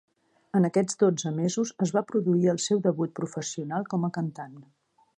En aquests dotze mesos es va produir el seu debut professional com a cantant.